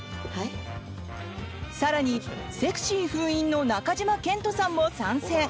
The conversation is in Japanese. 更に、セクシー封印の中島健人さんも参戦！